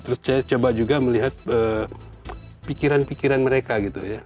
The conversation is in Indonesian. terus saya coba juga melihat pikiran pikiran mereka gitu ya